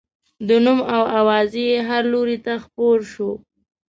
د نوم او اوازې یې هر لوري ته خپور شو.